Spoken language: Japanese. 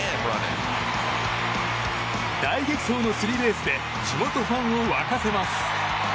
大激走のスリーベースで地元ファンを沸かせます。